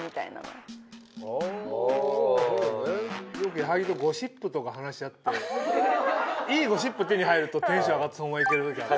よく矢作とゴシップとか話し合っていいゴシップ手に入るとテンション上がってそのままいける時がある。